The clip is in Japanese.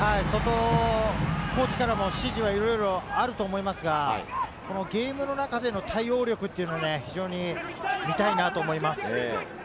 コーチからも指示はいろいろあると思いますが、ゲームの中での対応力というのが非常に見たいなと思います。